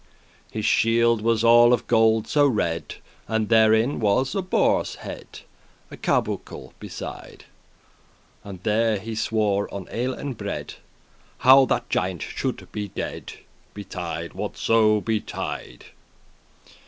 * *fight His shield was all of gold so red And therein was a boare's head, A charboucle* beside; *carbuncle <22> And there he swore on ale and bread, How that the giant should be dead, Betide whatso betide.